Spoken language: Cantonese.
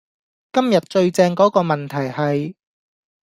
今日最正嗰個問題係